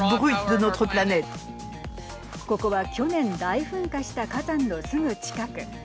ここは去年大噴火した火山のすぐ近く。